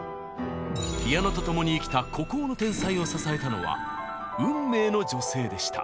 ピアノと共に生きた孤高の天才を支えたのは運命の女性でした。